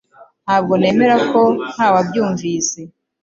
Ntabwo nemera ko ntawabyumvise